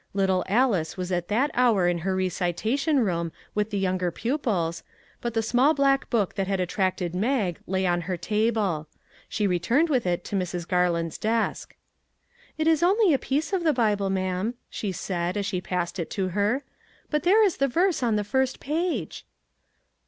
Little Alice was at that hour in her recitation room with the younger pupils, but the small black book that had attracted Mag lay on her table. She re turned with it to Mrs. Garland's desk. " It is only a piece of the Bible ma'am," she said, as she passed it to her, " but there is the verse on the first page."